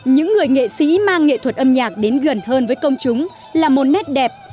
những người nghệ sĩ mang nghệ thuật âm nhạc đến gần hơn với công chúng là một nét đẹp